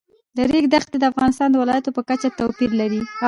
د ریګ دښتې د افغانستان د ولایاتو په کچه توپیر لري.